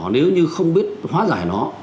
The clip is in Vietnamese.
nếu như không biết hóa giải nó